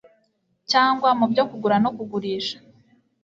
cyangwa mu byo kugura no kugurisha